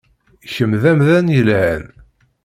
Kemm d amdan yelhan.